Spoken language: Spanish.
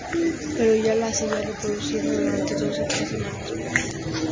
Pero yo la seguí reproduciendo durante dos o tres semanas más.